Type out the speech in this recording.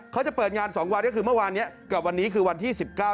เขาจะเปิดงาน๒วันก็คือเมื่อวานนี้กับวันนี้คือวันที่๑๙